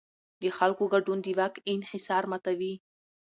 د خلکو ګډون د واک انحصار ماتوي